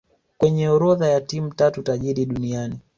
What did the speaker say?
kwenye orodha ya timu tatu tajiri duniani